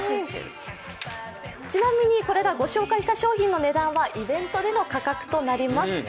ちなみに御紹介した商品の値段はイベントでの価格となります。